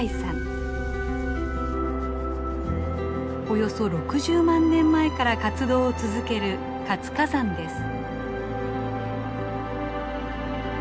およそ６０万年前から活動を続ける活火山です。